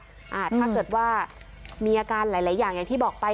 ถ้าเกิดว่ามีอาการหลายอย่างอย่างที่บอกไป